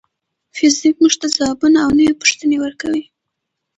فزیک موږ ته ځوابونه او نوې پوښتنې ورکوي.